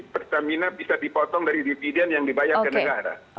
pertamina bisa dipotong dari dividen yang dibayar ke negara